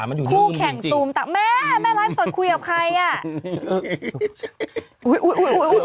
มันอยู่รึยังจริงเนี่ยจริงโอ๊ยคุณแม่คู่แข่งตูมตา